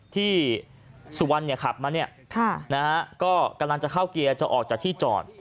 ที่สุวรรณขับมาเนี่ยนะฮะก็กำลังจะเข้าเกียร์จะออกจากที่จอด